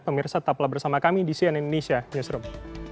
pemirsa taplah bersama kami di cn indonesia newsroom